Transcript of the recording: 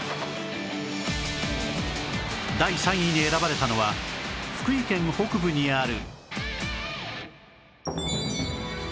第３位に選ばれたのは福井県北部にある